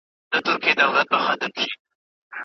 اور د پنجاب له غلامانو سره ښه جوړیږي